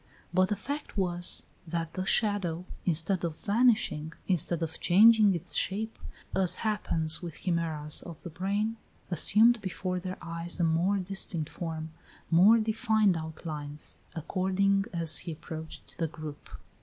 But the fact was, that the shadow, instead of vanishing, instead of changing its shape, as happens with chimeras of the brain, assumed before their eyes a more distinct form, more definite outlines, according as he approached the group.